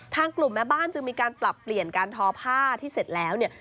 ทางกลุ่มแม่บ้านจึงมีการปรับเปลี่ยนการทอผ้าที่เสร็จแล้วเนี่ย